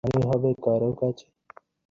তোমরা জান, মুক্তা কিরূপে উৎপন্ন হয়।